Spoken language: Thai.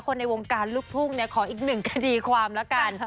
คนในวงการลูกพุ่งขออีกหนึ่งคดีความละกัน